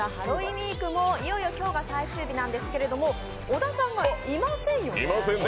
ウィークもいよいよ今日が最終日なんですけど小田さんがいませんよね？